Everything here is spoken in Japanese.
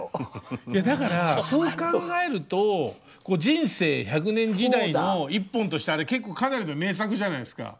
いやだからそう考えると人生１００年時代の一本としてあれ結構かなりの名作じゃないですか。